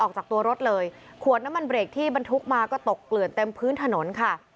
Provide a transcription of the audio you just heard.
ออกจากตัวรถเลยขวดน้ำมันเบรกที่บรรทุกมาก็ตกเกลื่อนเต็มพื้นถนนค่ะ